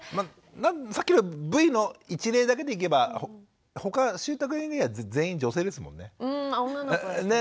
さっきのＶの一例だけでいけばほかしゅうたくん以外は全員女性ですもんね。